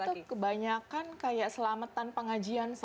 kalau empat bulan tuh kebanyakan kayak selamatan pengajian sih